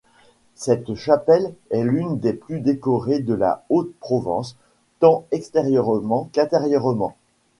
Cette chapelle est l'une des plus décorées de la Haute-Provence tant extérieurement qu'intérieurement.